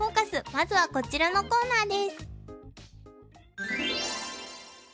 まずはこちらのコーナーです。